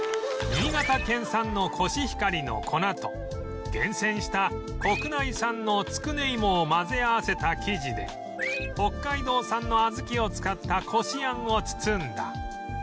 新潟県産のコシヒカリの粉と厳選した国内産のつくね芋を混ぜ合わせた生地で北海道産の小豆を使ったこしあんを包んだ